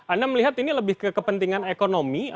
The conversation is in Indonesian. anda melihat ini lebih ke kepentingan ekonomi